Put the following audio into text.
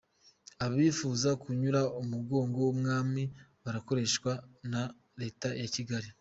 -Abifuza gucyura umugogo w’Umwami barakoreshwa na Leta ya Kigali